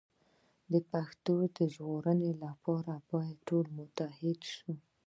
د پښتو د ژغورلو لپاره باید ټول متحد شو.